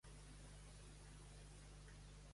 Després d'ells pot dedicar-se professionalment a escriure.